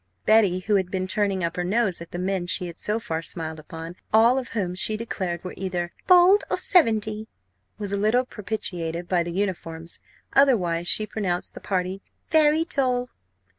Betty, who had been turning up her nose at the men she had so far smiled upon, all of whom she declared were either bald or seventy, was a little propitiated by the uniforms; otherwise, she pronounced the party very dull.